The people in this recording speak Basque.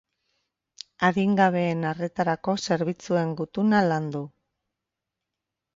Adingabeen arretarako zerbitzuen gutuna landu.